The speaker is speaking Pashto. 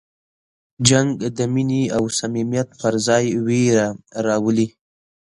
جنګ د مینې او صمیمیت پر ځای وېره راولي.